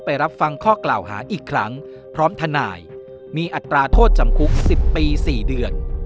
รับฟังข้อกล่าวหาอีกครั้งพร้อมทนายมีอัตราโทษจำคุก๑๐ปี๔เดือน